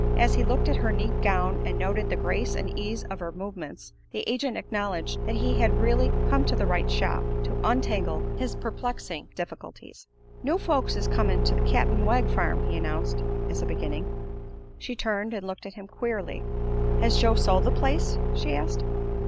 As he looked at her neat gown and noted the grace and ease of her movements the agent acknowledged that he had really "come to the right shop" to untangle his perplexing difficulties. "New folks is comin' to the Cap'n Wegg farm," he announced, as a beginning. She turned and looked at him queerly. "Has Joe sold the place?" she asked.